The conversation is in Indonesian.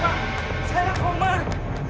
pak saya komar